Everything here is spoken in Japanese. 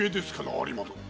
有馬殿？